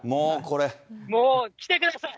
もう来てください。